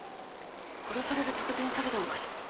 殺される直前に食べたのかしら。